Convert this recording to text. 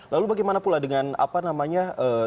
lalu bagaimana pula dengan apa namanya